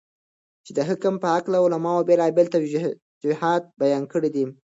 چې دحكم په هكله علماؤ بيلابيل توجيهات بيان كړي دي.